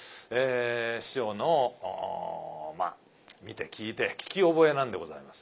師匠のまあ見て聞いて聞き覚えなんでございます。